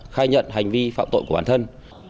khai nhận hành vi phạm tội của bản thân